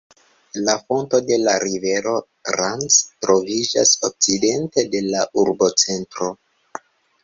La fonto de la rivero Rance troviĝas okcidente de la urbocentro.